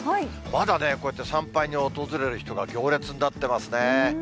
まだね、こうやって参拝に訪れる人が行列になってますね。